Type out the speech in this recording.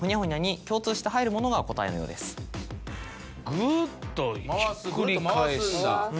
ぐっとひっくり返す。